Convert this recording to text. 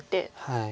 はい。